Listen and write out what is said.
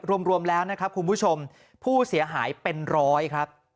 รวมแล้วนะครับคุณผู้ชมผู้เสียหายเป็นร้อยครับ